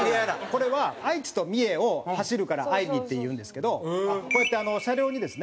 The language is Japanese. これは愛知と三重を走るからＡｉ−Ｍｅっていうんですけどこうやって車両にですね